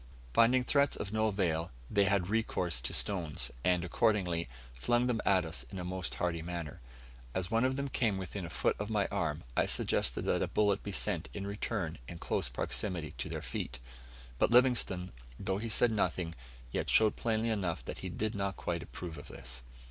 Finding threats of no avail, they had recourse to stones, and, accordingly, flung them at us in a most hearty manner. As one came within a foot of my arm, I suggested that a bullet be sent in return in close proximity to their feet; but Livingstone, though he said nothing, yet showed plainly enough that he did not quite approve of this.